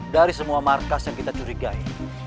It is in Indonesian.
dari semua markas yang kita curigai